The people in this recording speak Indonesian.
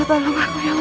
allah men married you